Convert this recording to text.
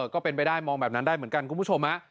ก็เป็นไปได้มองแบบนั้นได้เหมือนกันคุณผู้ชม